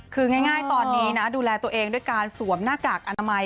คือง่ายตอนนี้นะดูแลตัวเองด้วยการสวมหน้ากากอนามัย